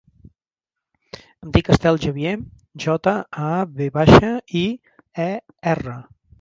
Em dic Estel Javier: jota, a, ve baixa, i, e, erra.